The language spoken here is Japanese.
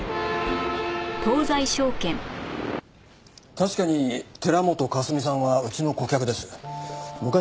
確かに寺本香澄さんはうちの顧客です。